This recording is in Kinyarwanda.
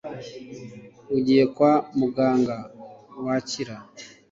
ugiye kwa muganga, wakira